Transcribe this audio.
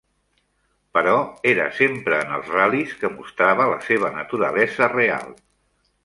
Però era sempre en els ral·lis que mostrava la seva naturalesa real.